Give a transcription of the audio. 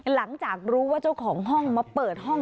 หลังจากรู้ว่าเจ้าของห้องมาเปิดห้อง